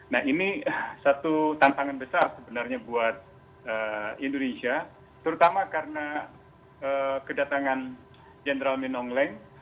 nah ini satu tantangan besar sebenarnya buat indonesia terutama karena kedatangan general minong leng